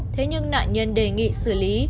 thế nhưng nạn nhân đề nghị xử lý